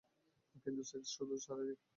কিন্তু সেক্স শুধুই শারীরিক।